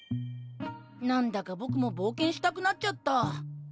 何だか僕も冒険したくなっちゃった。